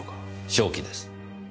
正気です。